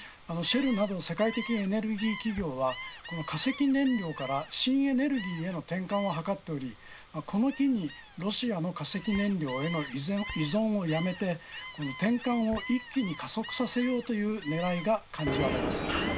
シェルなど世界的エネルギー企業はこの化石燃料から新エネルギーへの転換を図っておりこの機にロシアの化石燃料への依存をやめて転換を一気に加速させようという狙いが感じられます。